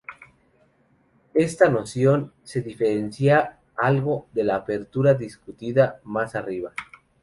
Esta noción se diferencia algo de la apertura discutida más arriba.